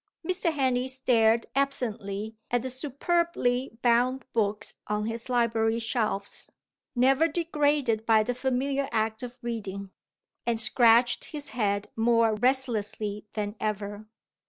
Mr. Henley stared absently at the superbly bound books on his library shelves (never degraded by the familiar act of reading), and scratched his head more restlessly than ever.